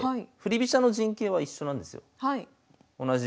飛車の陣形は一緒なんですよ。